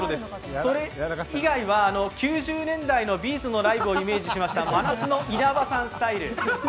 それ以外は９０年代のＢ’ｚのライブをイメージしました真夏の稲葉さんスタイル。